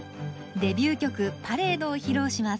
デビュー曲「パレード−ＰＡＲＡＤＥ」を披露します。